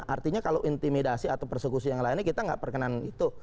artinya kalau intimidasi atau persekusi yang lainnya kita nggak perkenankan itu